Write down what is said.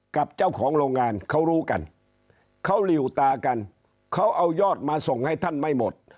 กับเจ้าของโรงงานเขารู้กันเขาหลิวตากันเขาเอายอดมาส่งให้ท่านไม่หมด